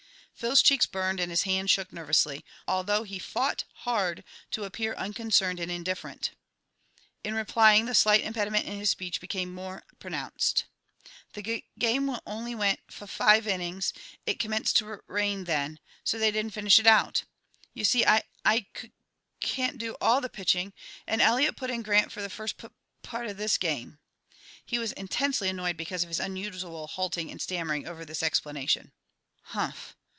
Phil's cheeks burned and his hands shook nervously, although he fought hard to appear unconcerned and indifferent. In replying the slight impediment in his speech became more pronounced. "The gug game only went fuf five innings; it commenced to rur rain then, so they didn't finish it out. You see I I cuc can't do all the pitching, and Eliot put in Grant for the first pup part of this game." He was intensely annoyed because of his unusual halting and stammering over this explanation. "Humph!